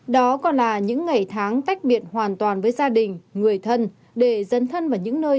đó còn là những ngày tháng tách biệt hoàn toàn với gia đình người thân để dấn thân vào những nơi